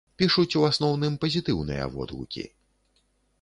Пішуць у асноўным пазітыўныя водгукі.